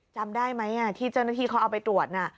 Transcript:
จำได้ไหมที่เจ้าหน้าที่เขาเอาไปตรวจน่ะ